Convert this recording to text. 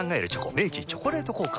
明治「チョコレート効果」